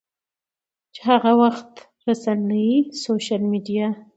چې هغه وخت رسنۍ، سوشل میډیا